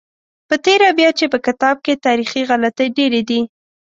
په تېره بیا چې په کتاب کې تاریخي غلطۍ ډېرې دي.